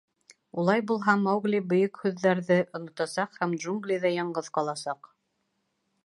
Улай булһа, Маугли Бөйөк һүҙҙәрҙе онотасаҡ һәм джунглиҙа яңғыҙ ҡаласаҡ.